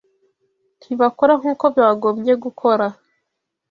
Ntibakora nk’uko bagombye gukora